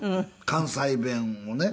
関西弁をね。